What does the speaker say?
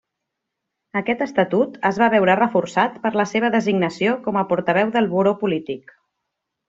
Aquest estatut es va veure reforçat per la seva designació com portaveu del buró polític.